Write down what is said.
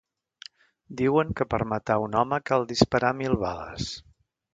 Diuen que per matar un home cal disparar mil bales